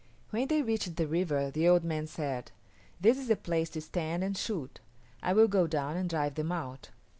When they reached the river the old man said, "This is the place to stand and shoot. I will go down and drive them out."